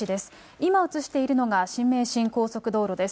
今写しているのが新名神高速道路です。